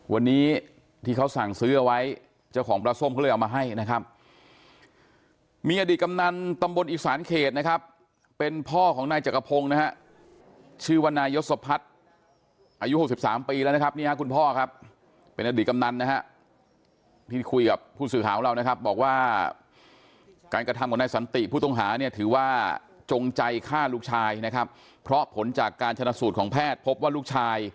วันนี้ที่เขาสั่งซื้อเอาไว้เจ้าของปลาส้มเขาเลยเอามาให้นะครับมีอดีตกำนันตำบลอีกสารเขตนะครับเป็นพ่อของนายจักรพงศ์นะฮะชื่อวันนายยศพัฒน์อายุ๖๓ปีแล้วนะครับเนี่ยคุณพ่อครับเป็นอดีตกำนันนะฮะที่คุยกับผู้สื่อหาของเรานะครับบอกว่าการกระทำของนายสันติผู้ต้องหาเนี่ยถือว่าจงใจฆ่าลูกช